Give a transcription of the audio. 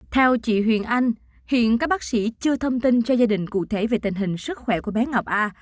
theo chị huyền anh hiện các bác sĩ chưa thông tin cho gia đình cụ thể về tình hình sức khỏe của bé ngọc a